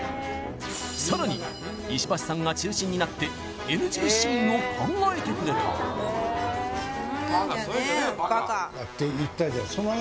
さらに石橋さんが中心になってＮＧシーンを考えてくれたバカそういうんじゃねえよ